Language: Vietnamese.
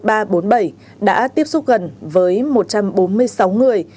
bệnh nhân một nghìn ba trăm bốn mươi bảy đã tiếp xúc gần với một trăm bốn mươi sáu người